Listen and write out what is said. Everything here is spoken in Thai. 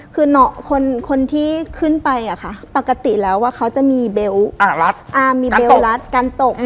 ผู้เจ็บของคนที่ขึ้นไปค่ะปกติแล้วว่าเขาจะมีเบล็ลรัดกันตก